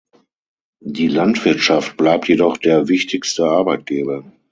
Die Landwirtschaft bleibt jedoch der wichtigste Arbeitgeber.